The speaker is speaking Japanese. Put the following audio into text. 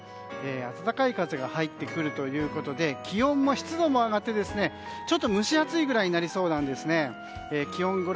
暖かい風が入ってくるということで気温も湿度もが上がって蒸し暑いくらいになりそうなんですね。